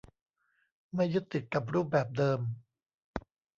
ไม่ยึดติดกับรูปแบบเดิม